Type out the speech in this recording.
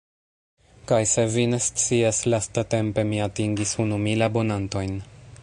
Kaj se vi ne scias lastatempe mi atingis unu mil abonantojn.